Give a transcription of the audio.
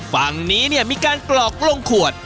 ฝั่งนี้มีการกรอกลงขวด